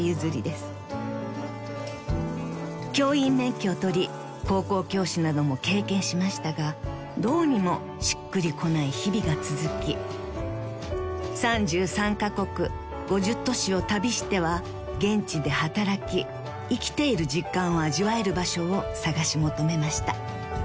［教員免許を取り高校教師なども経験しましたがどうにもしっくりこない日々が続き３３カ国５０都市を旅しては現地で働き生きている実感を味わえる場所を探し求めました］